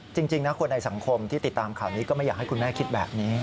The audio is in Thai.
จริงนะคนในสังคมที่ติดตามข่าวนี้ก็ไม่อยากให้คุณแม่คิดแบบนี้